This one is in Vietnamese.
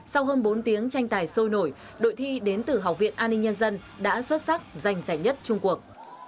sau hơn bốn tiếng tranh tài sôi nổi đội thi đến từ học viện an ninh nhân dân đã xuất sắc giành giải nhất trung quốc